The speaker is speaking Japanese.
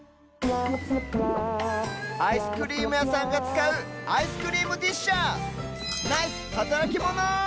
アイスクリームやさんがつかうアイスクリームディッシャーナイスはたらきモノ！